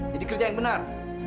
jadi kerjain benar